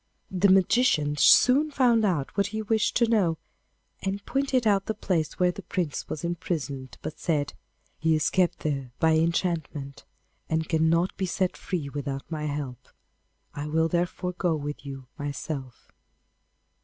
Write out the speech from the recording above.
The magician soon found out what he wished to know, and pointed out the place where the Prince was imprisoned, but said: 'He is kept there by enchantment, and cannot be set free without my help. I will therefore go with you myself.